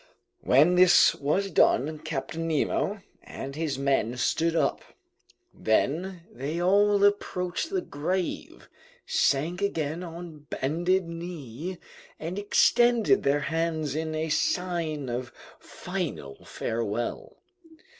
When this was done, Captain Nemo and his men stood up; then they all approached the grave, sank again on bended knee, and extended their hands in a sign of final farewell.